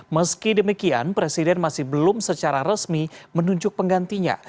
meski demikian presiden masih belum secara resmi menunjuk penggantinya